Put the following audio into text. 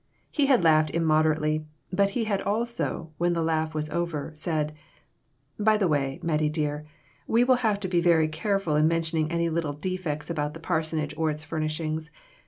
He had laughed immoderately, but he had also, when the laugh was over, said "By the way, Mattie dear, we will have to be very careful in mentioning any little defects about the parsonage or its furnishings.